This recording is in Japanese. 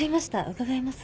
伺います。